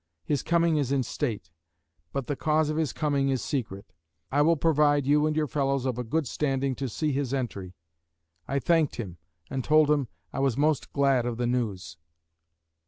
His coming is in state; but the cause of his coming is secret. I will provide you and your fellows of a good standing to see his entry." I thanked him, and told him, I was most glad of the news.